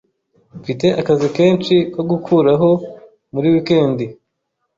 Mfite akazi kenshi ko gukuraho muri wikendi.